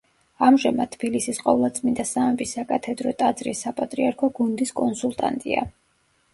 ამჟამად თბილისის ყოვლადწმიდა სამების საკათედრო ტაძრის საპატრიარქო გუნდის კონსულტანტია.